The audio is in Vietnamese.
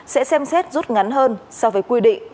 sẽ xem xét rút ngắn hơn so với quy định